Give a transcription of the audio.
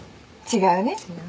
違うね。